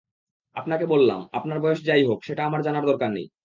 আপনাকে বললাম, আপনার বয়স যা-ই হোক, সেটা আমার জানার দরকার নেই।